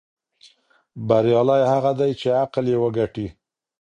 بریالی هغه دی چې عقل یې وګټي.